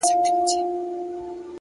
پرمختګ د ثابتو هڅو پایله ده.!